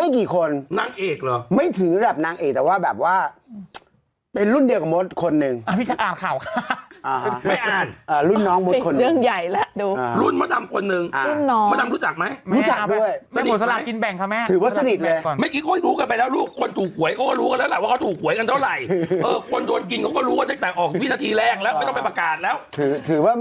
ไอ้ลูกสาวเขารู้ตอนเช้าก็เขียนกันยิ่งกว่า